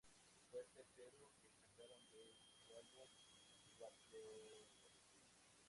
Fue el tercero que sacaron de su álbum Waterloo.